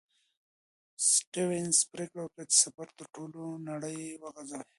سټيونز پرېکړه وکړه چې سفر تر ټولې نړۍ وغځوي.